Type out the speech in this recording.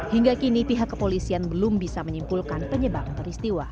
hingga kini pihak kepolisian belum bisa menyimpulkan penyebab peristiwa